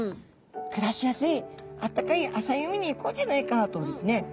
暮らしやすいあったかい浅い海に行こうじゃないかとですね。